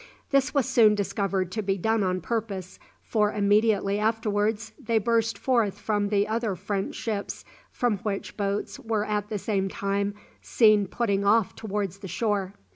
This was soon discovered to be done on purpose, for immediately afterwards they burst forth from the other French ships, from which boats were at the same time seen putting off towards the shore.